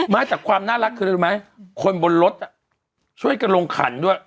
ไม่แต่ความน่ารักคืออะไรรู้ไหมคนบนรถช่วยกันลงขันด้วย